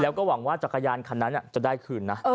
แล้วก็หวังว่าจักรยานคันนั้นจะได้คืนนะ